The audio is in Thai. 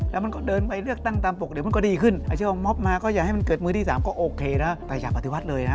แล้วมันก็เดินไปเลือกตั้งแต่งปกติ